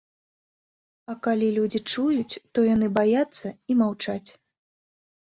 А калі людзі чуюць, то яны баяцца і маўчаць.